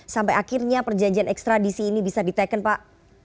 sampai akhirnya perjanjian ekstradisi ini bisa diteken pak